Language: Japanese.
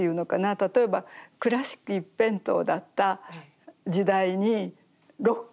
例えばクラシック一辺倒だった時代にロック。